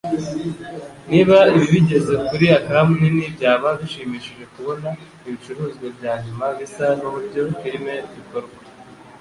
Niba ibi bigeze kuri ecran nini byaba bishimishije kubona ibicuruzwa byanyuma bisa nuburyo firime ikorwa